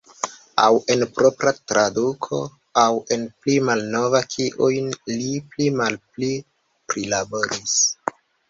Aŭ en propra traduko, aŭ en pli malnovaj kiujn li pli malpli prilaboris.